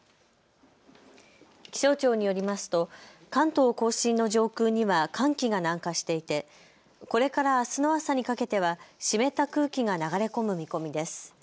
気象庁によりますと関東甲信の上空には寒気が南下していてこれからあすの朝にかけては湿った空気が流れ込む見込みです。